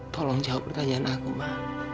tolong jawab pertanyaan aku ma